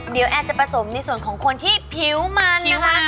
เดี๋ยวแอนจะผสมในส่วนของคนที่ผิวมันนะคะ